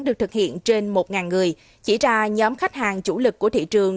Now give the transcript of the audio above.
được thực hiện trên một người chỉ ra nhóm khách hàng chủ lực của thị trường